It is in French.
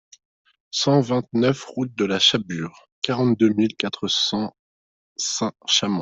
cent vingt-neuf route de la Chabure, quarante-deux mille quatre cents Saint-Chamond